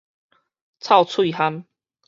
臭喙 𦜆